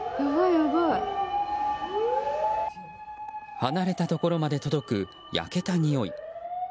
離れたところまで届く焼けたにおい。